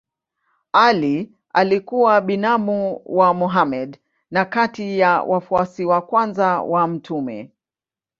Ali alikuwa binamu wa Mohammed na kati ya wafuasi wa kwanza wa mtume.